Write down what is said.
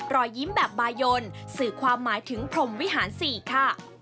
รอยยิ้มแบบบายนสื่อความหมายถึงพรมวิหาร๔ค่ะ